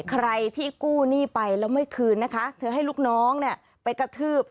ใครที่กู้หนี้ไปแล้วไม่คืนนะคะเธอให้ลูกน้องเนี่ยไปกระทืบ